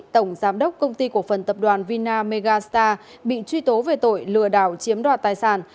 tổng giám đốc công ty cổ phần tập đoàn vina megastar bị truy tố về tội lừa đảo chiếm đoạt tài sản